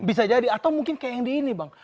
bisa jadi atau mungkin kayak yang di ini bang